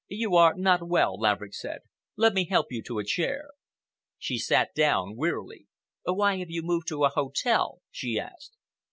"You are not well," Laverick said. "Let me help you to a chair." She sat down wearily. "Why have you moved to a hotel?" she asked.